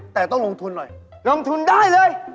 แต่ต้องลงทุนหน่อยลงทุนได้เลย